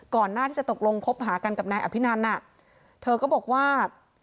ก่อนหน้าที่จะตกลงคบหากันกับนายอภินันน่ะเธอก็บอกว่า